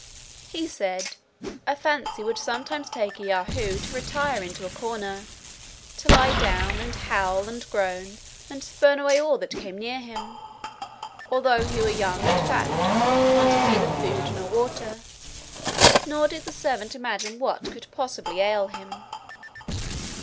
He said, "a fancy would sometimes take a Yahoo to retire into a corner, to lie down, and howl, and groan, and spurn away all that came near him, although he were young and fat, wanted neither food nor water, nor did the servant imagine what could possibly ail him.